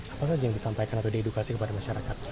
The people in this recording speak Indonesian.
apa saja yang disampaikan atau diedukasi kepada masyarakat